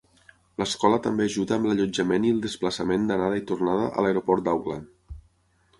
L"escola també ajuda amb l"allotjament i el desplaçament d"anada i tornada a l"Aeroport d"Auckland.